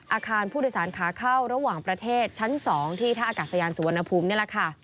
อัคารผู้โดยสารค้าเข้าระหว่างประเทศชั้น๒ที่ทางอากาศยานสุขวรรณภูมิ